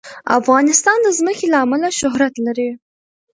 افغانستان د ځمکه له امله شهرت لري.